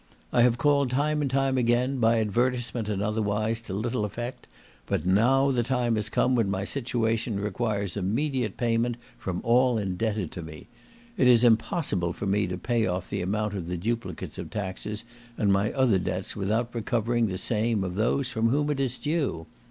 I have called time and again, by advertisement and otherwise, to little effect; but now the time has come when my situation requires immediate payment from all indebted to me. It is impossible for me to pay off the amount of the duplicates of taxes and my other debts without recovering the same of those from whom it is due.